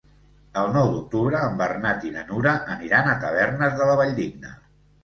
El nou d'octubre en Bernat i na Nura aniran a Tavernes de la Valldigna.